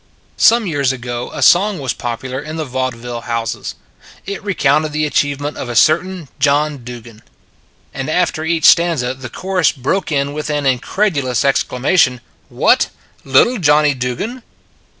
Some years ago a song was popular in the vaudeville houses. It recounted the achievement of a certain John Dugan; and after each stanza the chorus broke in with an incredulous exclamation, " What! Lit tle Johnny Dugan?"